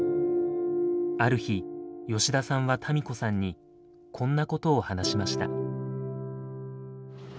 ある日吉田さんは多美子さんにこんなことを話しました。